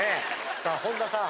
さあ本田さん